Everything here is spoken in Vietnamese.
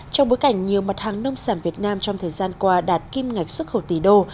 trong bối cảnh nhiều mặt hàng nông sản việt nam trong thời gian qua đạt kim ngạch xuất khẩu tỷ đô